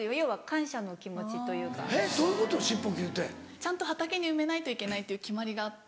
ちゃんと畑に埋めないといけないっていう決まりがあって。